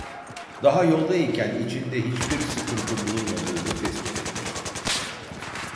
Daha yolda iken içinde hiçbir sıkıntı bulunmadığını tespit etmişti.